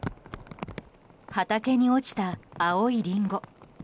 畑に落ちた青いリンゴ。